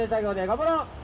頑張ろう。